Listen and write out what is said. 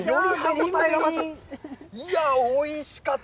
いやぁ、おいしかった。